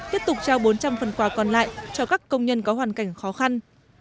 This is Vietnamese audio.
tiếp tục trao bốn trăm linh phần quà còn lại cho các công nhân có hoàn cảnh khó khăn